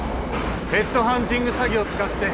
ヘッドハンティング詐欺を使って